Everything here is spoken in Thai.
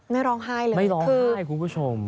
ไม่ร้องไห้เลยคุณผู้ชม